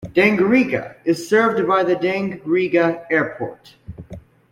Dangriga is served by the Dangriga Airport.